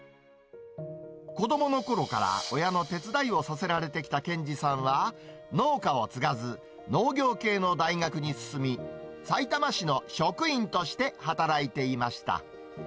子どものころから親の手伝いをさせられてきた健司さんは、農家を継がず、農業系の大学に進み、さいたま市の職員として働いていました。